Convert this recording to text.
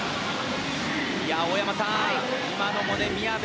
大山さん、今のも宮部。